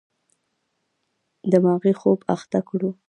دماغي خوب اخته کړو.